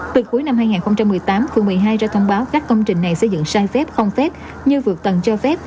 từ cuối năm hai nghìn một mươi tám phường một mươi hai ra thông báo các công trình này xây dựng sai phép không phép như vượt tầng cho phép